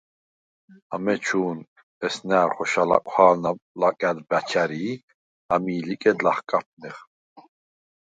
ამეჩუ̄ნ ესნა̈რ ხოშა ლა̈კუ̂ჰა̄ლუ̂ნა ლაკა̈დ ბა̈ჩ ა̈რი ი ამი̄ ლიკედ ლახკაფუ̂ნეხ.